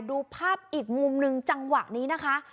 ดูภาพอีกมุมหนึ่งจังหวะนี้นะคะ